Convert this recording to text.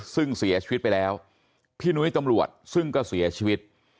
ซึ่งเสียชีวิตไปแล้วพี่นุ้ยตำรวจซึ่งก็เสียชีวิต